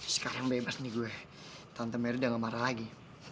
sekarang bebas nih gue tante meri udah gak marah lagi